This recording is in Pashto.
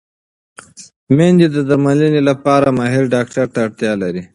مېندې د درملنې لپاره ماهر ډاکټر ته اړتیا لري.